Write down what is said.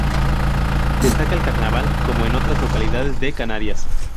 Destaca el carnaval como en otras localidades de Canarias.